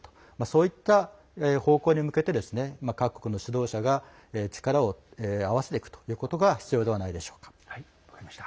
そういった方向に向けて各国の指導者が力を合わせていくということが必要ではないでしょうか。